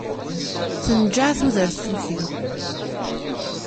Tenǧeɛ tudert tuki.